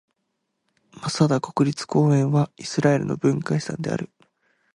マサダ国立公園はイスラエルの文化遺産である。